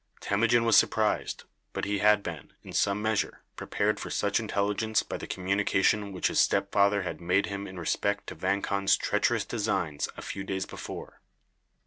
Temujin was surprised; but he had been, in some measure, prepared for such intelligence by the communication which his stepfather had made him in respect to Vang Khan's treacherous designs a few days before.